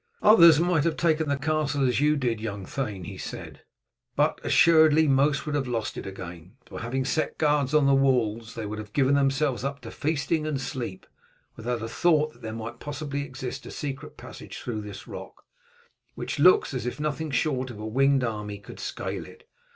"Others might have taken the castle as you did, young thane," he said, "but assuredly most would have lost it again, for having set guards on the walls they would have given themselves up to feasting and sleep, without a thought that there might possibly exist a secret passage through this rock, which looks as if nothing short of a winged army could scale it.